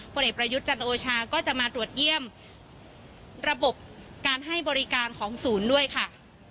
เอกประยุทธ์จันโอชาก็จะมาตรวจเยี่ยมระบบการให้บริการของศูนย์ด้วยค่ะ